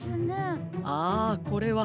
ああこれは。